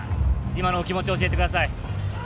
今のお気持ちを教えてください。